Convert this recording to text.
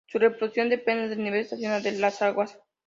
Su reproducción depende del nivel estacional de las aguas.